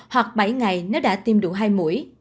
hoặc bảy ngày nếu đã tiêm đủ hai mũi